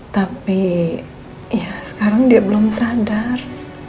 tapi ya sekarang dia belum sadar